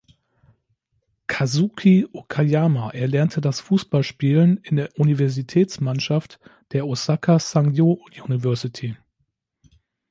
Kazuki Okayama erlernte das Fußballspielen in der Universitätsmannschaft der "Osaka Sangyo University".